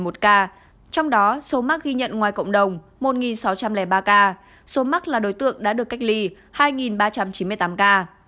trong đó số mắc ghi nhận ngoài cộng đồng một sáu trăm linh ba ca số mắc là đối tượng đã được cách ly hai ba trăm chín mươi tám ca